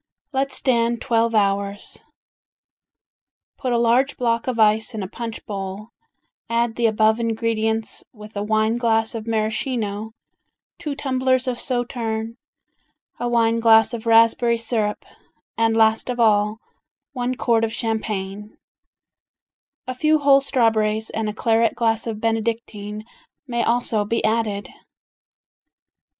Let stand twelve hours. Put a large block of ice in a punch bowl, add the above ingredients with a wine glass of Maraschino, two tumblers of sauterne, a wine glass of raspberry syrup, and last of all, one quart of champagne, a few whole straw berries and a claret glass of Benedictine may also be added.